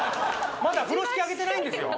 まだ風呂敷あけてないんですよ